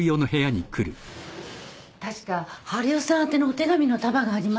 確か治代さん宛てのお手紙の束がありました。